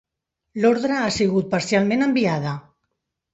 L'ordre ha sigut parcialment enviada.